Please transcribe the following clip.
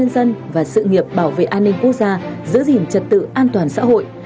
dân và sự nghiệp bảo vệ an ninh quốc gia giữ gìn trật tự an toàn xã hội